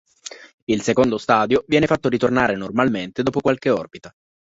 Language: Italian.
Il secondo stadio viene fatto ritornare normalmente dopo qualche orbita.